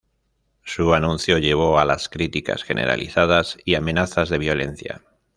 Su anuncio llevó a las críticas generalizadas y amenazas de violencia.